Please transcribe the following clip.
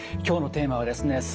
今日のテーマはですね